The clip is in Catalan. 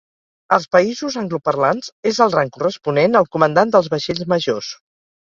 Als països angloparlants és el rang corresponent al comandant dels vaixells majors.